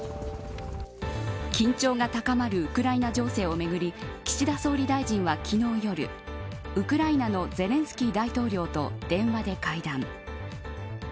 緊張が高まるウクライナ情勢をめぐり岸田総理大臣は昨日夜ウクライナのゼレンスキー大統領と電話で会談。